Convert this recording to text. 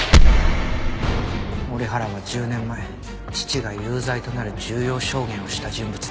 折原は１０年前父が有罪となる重要証言をした人物でした。